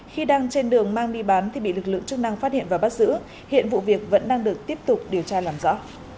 khi đang trên đường mang đi bán thì bị lực lượng chức năng phát hiện và bắt giữ hiện vụ việc vẫn đang được tiếp tục điều tra làm rõ